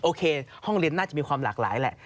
โอเคห้องเรียนน่าจะมีความหลากหลายแหละ